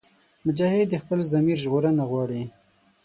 مجاهد د خپل ضمیر ژغورنه غواړي.